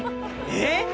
えっ！？